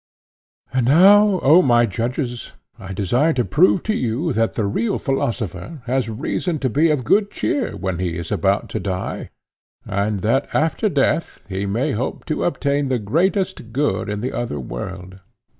And now, O my judges, I desire to prove to you that the real philosopher has reason to be of good cheer when he is about to die, and that after death he may hope to obtain the greatest good in the other world.